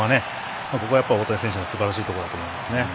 ここは大谷選手のすばらしいところだと思います。